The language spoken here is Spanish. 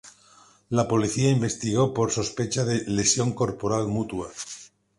La Policía investigó por sospecha de lesión corporal mutua.